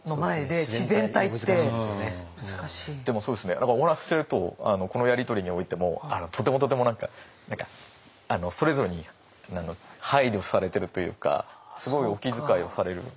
でもそうですねお話ししてるとこのやり取りにおいてもとてもとても何かそれぞれに配慮されてるというかすごいお気遣いをされる。